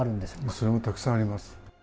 それもたくさんあります。